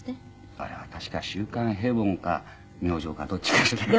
あれは確か『週刊平凡』か『明星』かどっちかじゃないかな。